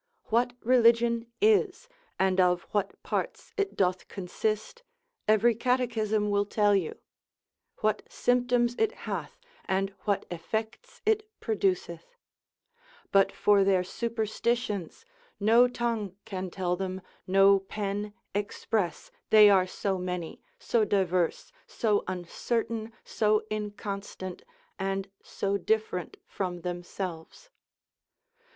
What religion is, and of what parts it doth consist, every catechism will tell you, what symptoms it hath, and what effects it produceth: but for their superstitions, no tongue can tell them, no pen express, they are so many, so diverse, so uncertain, so inconstant, and so different from themselves.